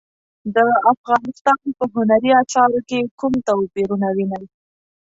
د افغانستان په هنري اثارو کې کوم توپیرونه وینئ؟